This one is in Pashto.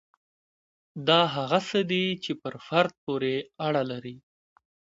دا هغه څه دي چې پر فرد پورې اړه لري.